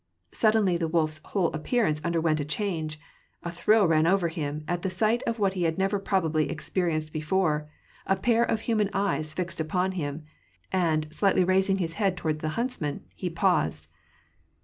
Suddenly the wolfs whole appearance underwent a change : a thrill ran over him, at the sight of what he had never probably experienced before, a pair of human eyes fixed upon him ; and, slightly raising his head toward the huntsman, he paused.